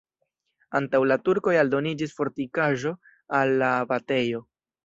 Antaŭ la turkoj aldoniĝis fortikaĵo al la abatejo.